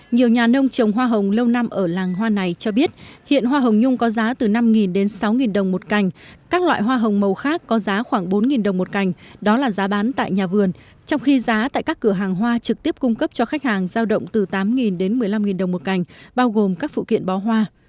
nhiều nhà nông trồng hoa hồng lâu năm ở làng hoa này cho biết hiện hoa hồng nhung có giá từ năm đến sáu đồng một cành các loại hoa hồng màu khác có giá khoảng bốn đồng một cành đó là giá bán tại nhà vườn trong khi giá tại các cửa hàng hoa trực tiếp cung cấp cho khách hàng giao động từ tám đến một mươi năm đồng một cành bao gồm các phụ kiện bó hoa